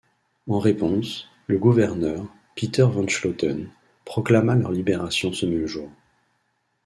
En réponse, le gouverneur, Peter von Scholten, proclama leur libération ce même jour.